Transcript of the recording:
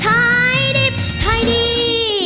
ขายดิบขายดี